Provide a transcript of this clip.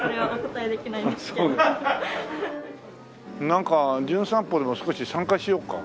なんか『じゅん散歩』でも少し参加しようか。